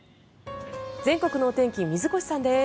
全国のお天気水越さんです。